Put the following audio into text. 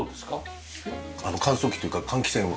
乾燥機というか換気扇を。